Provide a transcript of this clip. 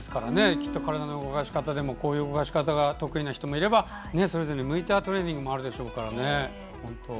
きっと体の動かし方でもこういう動かし方が得意な方がいればそれぞれに向いたトレーニングもあるでしょうから。